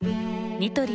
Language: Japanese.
ニトリ